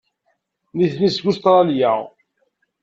Nitni seg Ustṛalya.